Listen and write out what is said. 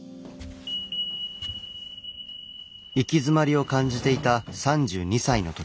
行き詰まりを感じていた３２歳の時。